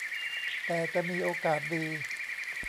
แต่จะมีโอกาสดี